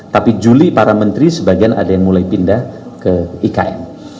tapi juli para menteri sebagian ada yang mulai pindah ke ikn